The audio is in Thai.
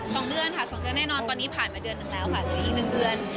สองเดือนค่ะสองเดือนแน่นอนตอนนี้ผ่านมาเดือนหนึ่งแล้วค่ะหรืออีกหนึ่งเดือน